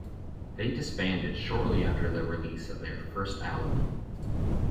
They disbanded shortly after the release of their first album.